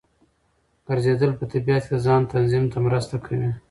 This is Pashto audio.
ګرځېدل په طبیعت کې د ځان تنظیم ته مرسته کوي.